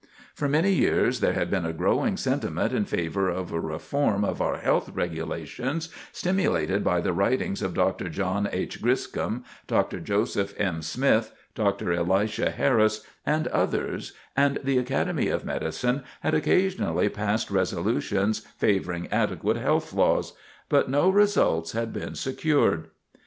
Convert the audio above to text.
For many years there had been a growing sentiment in favor of a reform of our health regulations, stimulated by the writings of Dr. John H. Griscom, Dr. Joseph M. Smith, Dr. Elisha Harris, and others, and the Academy of Medicine had occasionally passed resolutions favoring adequate health laws; but no results had been secured.